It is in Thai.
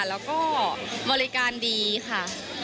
แล้วก็บริการดีค่ะ